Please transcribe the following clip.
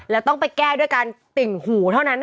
แล้วต้องไปแก้ด้วยการติ่งหูเท่านั้น